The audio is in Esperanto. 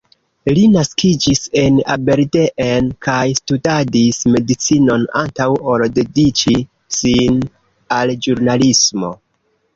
Li naskiĝis en Aberdeen, kaj studadis medicinon antaŭ ol dediĉi sin al ĵurnalismo.